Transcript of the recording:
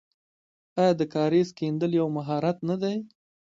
آیا د کاریز کیندل یو مهارت نه دی؟